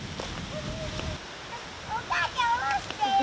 お母ちゃん降ろしてよ。